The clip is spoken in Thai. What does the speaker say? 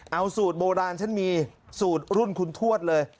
เอาสูตรโบราณฉันมีสูตรรุ่นคุณทวดเลย